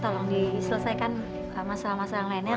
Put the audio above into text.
tolong diselesaikan masalah masalah yang lainnya